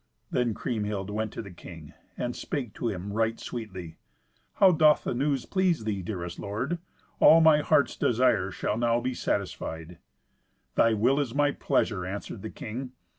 Then Kriemhild went to the king, and spake to him right sweetly, "How doth the news please thee, dearest lord? All my heart's desire shall now be satisfied." "Thy will is my pleasure," answered the king.